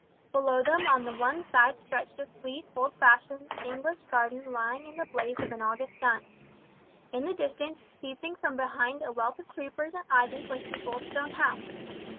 Below them on the one side stretched a sweet old fashioned English garden lying in the blaze of an August sun. In the distance, peeping from behind a wealth of creepers and ivy was the old stone house.